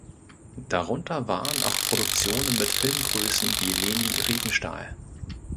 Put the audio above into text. Darunter waren auch Produktionen mit Filmgrößen wie Leni Riefenstahl.